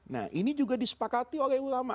nah ini juga disepakati oleh ulama